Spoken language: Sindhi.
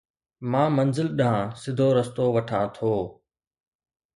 مان منزل ڏانهن سڌو رستو وٺان ٿو